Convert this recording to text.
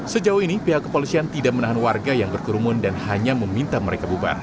sejauh ini pihak kepolisian tidak menahan warga yang berkerumun dan hanya meminta mereka bubar